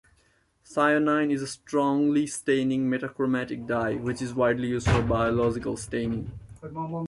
Thionine is a strongly staining metachromatic dye, which is widely used for biological staining.